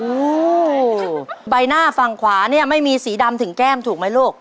โอ้โหใบหน้าฝั่งขวาเนี่ยไม่มีสีดำถึงแก้มถูกไหมลูก